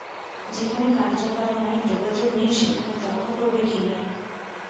যেখানে কার্যকারণের যোগাযোগ নেই সেখানে তর্ক করবে কী নিয়ে?